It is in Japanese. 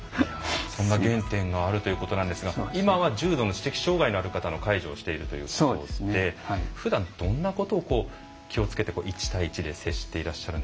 そんな原点があるということなんですが今は重度の知的障害のある方の介助をしているということでふだんどんなことを気をつけて一対一で接していらっしゃるんですか？